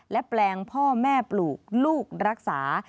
และแปลงพ่อแม่ปลูกลูกรักษา